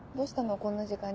こんな時間に。